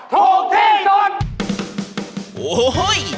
รู้สึกง่าย